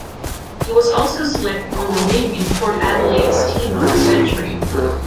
He was also selected on the wing in Port Adelaide's Team of the Century.